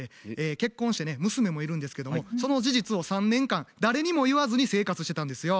結婚してね娘もいるんですけどもその事実を３年間誰にも言わずに生活してたんですよ。